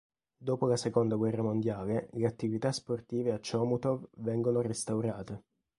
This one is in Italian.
Dopo la seconda guerra mondiale le attività sportive a Chomutov vengono restaurate.